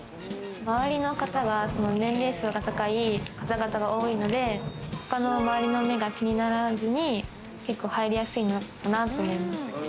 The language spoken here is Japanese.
周りの方が年齢層が高い方々が多いので、他の周りの目が気にならずに入りやすいのかなって思います。